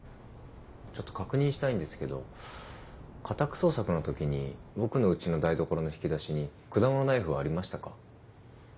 ちょっと確認したいんですけど家宅捜索のときに僕のうちの台所の引き出しに果物ナイフはありましたか？